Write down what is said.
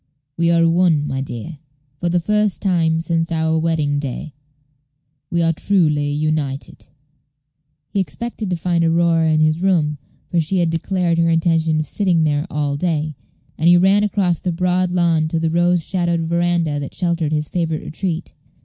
We are one, my dear. For the first time since our wedding day, we are truly united." He expected to find Aurora in his own room, for she had declared her intention of sitting there all day; and he ran across the broad lawn to the rose shadowed veranda that sheltered his favorite retreat.